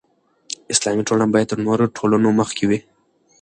اسلامي ټولنه باید تر نورو ټولنو مخکې وي.